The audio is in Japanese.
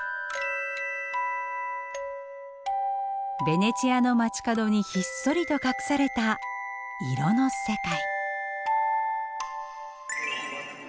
ベネチアの街角にひっそりと隠された色の世界。